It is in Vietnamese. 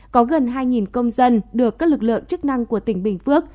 có gần hai công dân được các lực lượng chức năng của tỉnh bình phước